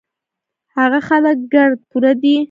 هغه خلک ګړد پوره دي